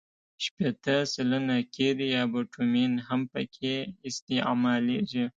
شپېته سلنه قیر یا بټومین هم پکې استعمالیږي